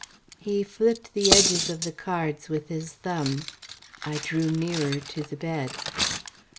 He flipped the edges of the cards with his thumb. I drew nearer to the bed.